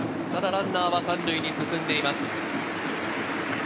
ランナーは３塁に進んでいます。